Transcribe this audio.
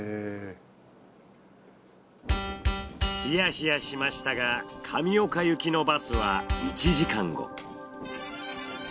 ヒヤヒヤしましたが神岡行きのバスは１時間後。